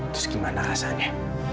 terus gimana rasanya